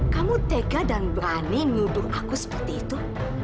kamu tega dan berani ngubur aku seperti itu